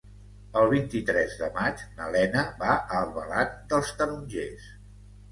El vint-i-tres de maig na Lena va a Albalat dels Tarongers.